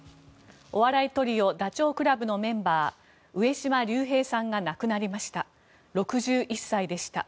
お笑いトリオダチョウ倶楽部のメンバー上島竜兵さんが亡くなりました。